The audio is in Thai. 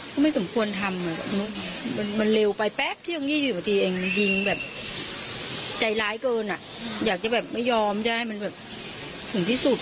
ก็ไม่สมควรทำมันเร็วไปแป๊บที่มี๒๐ประทีจริงแบบใจร้ายเกินอยากจะไม่ยอมจะให้ถึงที่สุด